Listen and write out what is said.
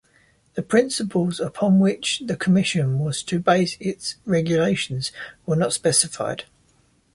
The principles upon which the Commission was to base its regulations were not specified.